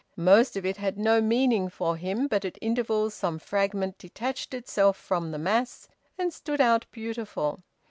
Most of it had no meaning for him, but at intervals some fragment detached itself from the mass, and stood out beautiful.